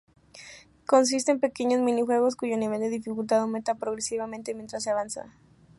Consiste en pequeños minijuegos cuyo nivel de dificultad aumenta progresivamente mientras se avanza.